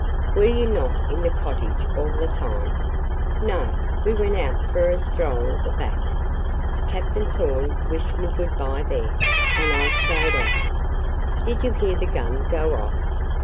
"Were you not in the cottage all the time?" "No; we went out for a stroll at the back. Captain Thorn wished me good bye there, and I stayed out." "Did you hear the gun go off?"